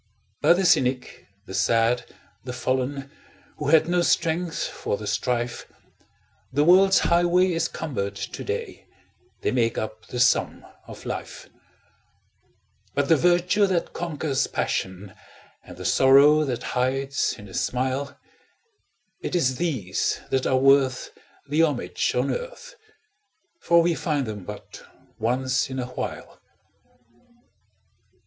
By the cynic, the sad, the fallen, Who had no strength for the strife, The world's highway is cumbered to day They make up the sum of life; But the virtue that conquers passion, And the sorrow that hides in a smile It is these that are worth the homage on earth, For we find them but once in a while.